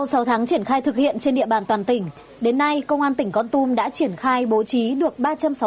sau sáu tháng triển khai thực hiện trên địa bàn toàn tỉnh đến nay công an tỉnh con tum đã triển khai bố trí được